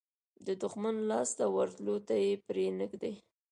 د دښمن لاس ته ورتلو ته یې پرې نه ږدي.